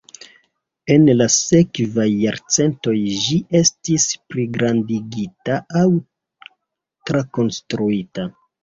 En la sekvaj jarcentoj ĝi estis pligrandigita aŭ trakonstruita.